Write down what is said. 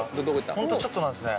ホントちょっとなんですね。